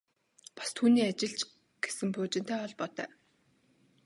Бас түүний ажил ч гэсэн пуужинтай холбоотой.